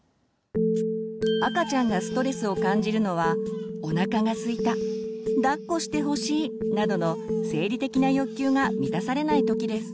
赤ちゃんがストレスを感じるのはおなかがすいただっこしてほしいなどの生理的な欲求が満たされないときです。